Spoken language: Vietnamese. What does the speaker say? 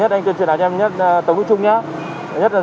đăng ký xe thứ hai là ra đường em không có giấy đi đường đúng không